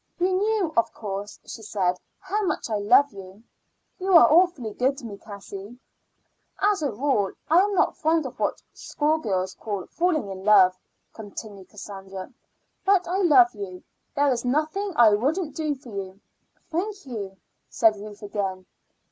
"You knew, of course," she said, "how much I love you." "You are awfully good to me, Cassie." "As a rule I am not fond of what schoolgirls call falling in love," continued Cassandra; "but I love you. There is nothing I wouldn't do for you." "Thank you," said Ruth again.